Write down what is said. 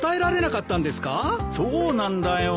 そうなんだよ。